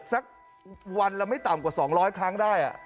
สักวันละไม่ต่ำกว่า๒๐๐ครั้งได้